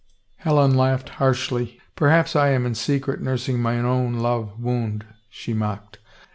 Helen laughed harshly. " Perhaps I am in secret nurs ing mine own love wound," she mocked.